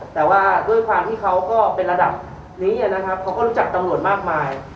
แต่ว่าด้วยความที่เขาก็เป็นระดับนี้นะครับเขาก็รู้จักตำรวจมากมาย